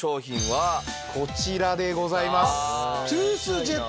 こちらでございます。